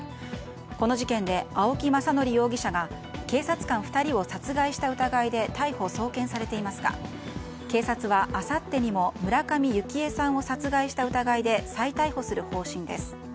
この事件で青木政憲容疑者が警察官２人を殺害した疑いで逮捕・送検されていますが警察はあさってにも村上幸枝さんを殺害した疑いで再逮捕する方針です。